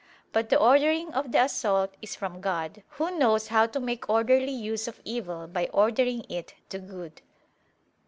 But the ordering of the assault is from God, Who knows how to make orderly use of evil by ordering it to good.